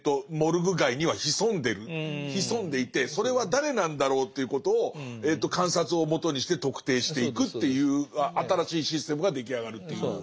潜んでいてそれは誰なんだろうということを観察をもとにして特定していくっていう新しいシステムが出来上がるという。